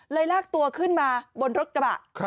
ลากตัวขึ้นมาบนรถกระบะ